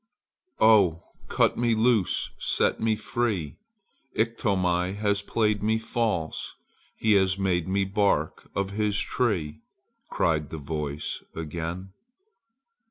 "Oh! cut me loose! set me free! Iktomi has played me false! He has made me bark of his tree!" cried the voice again.